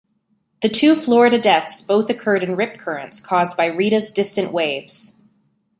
The two Florida deaths both occurred in rip currents caused by Rita's distant waves.